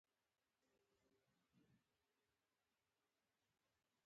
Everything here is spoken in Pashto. چې څنګه یو پرمختللی هیواد جوړ کړي.